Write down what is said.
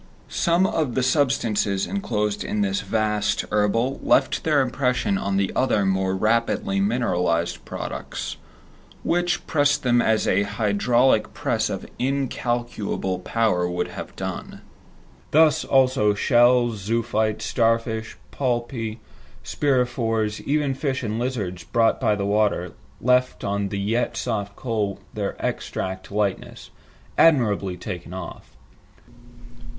Some of the substances enclosed in this vast herbal left their impression on the other more rapidly mineralized products, which pressed them as an hydraulic press of incalculable power would have done. Thus also shells, zoophytes, star fish, polypi, spirifores, even fish and lizards brought by the water, left on the yet soft coal their exact likeness, "admirably taken off."